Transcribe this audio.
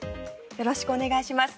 よろしくお願いします。